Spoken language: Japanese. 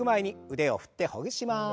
腕を振ってほぐします。